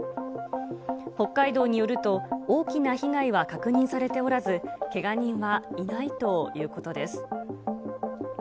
北海道によると、大きな被害は確認されておらず、けが人はいないということです。